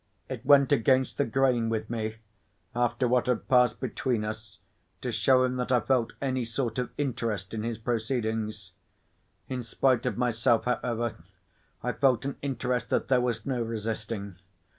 It went against the grain with me, after what had passed between us, to show him that I felt any sort of interest in his proceedings. In spite of myself, however, I felt an interest that there was no resisting.